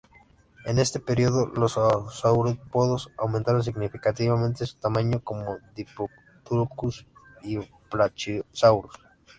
En este periodo los saurópodos aumentaron significativamente su tamaño, como "Diplodocus" y "Brachiosaurus".